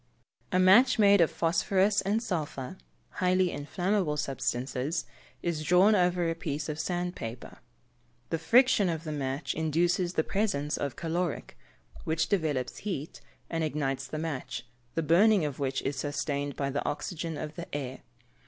_ A match made of phosphorous and sulphur (highly inflammable substances) is drawn over a piece of sand paper; the friction of the match induces the presence of caloric, which developes heat, and ignites the match, the burning of which is sustained by the oxygen of the air.